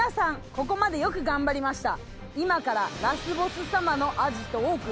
ここまでよく頑張りました」